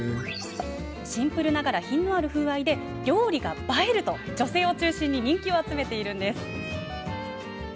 シンプルながら品のある風合いで料理が映えると女性を中心に人気を集めているんです。